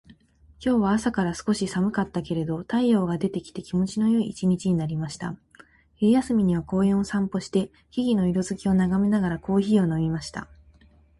今日は朝から少し寒かったけれど、太陽が出てきて気持ちのいい一日になりました。昼休みには公園を散歩して、木々の色づきを眺めながらコーヒーを飲みました。自然の中で過ごす時間は心を落ち着かせてくれます。